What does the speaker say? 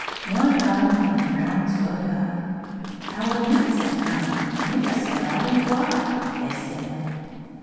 One by one the Brownies woke up. "Our wings have come! We must go out and fly!" they said.